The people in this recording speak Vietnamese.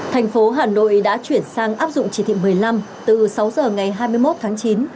thành phố hà nội đã chuyển sang áp dụng chỉ thị một mươi năm từ sáu giờ ngày hai mươi một tháng chín